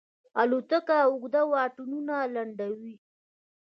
الوتکه اوږده واټنونه لنډوي.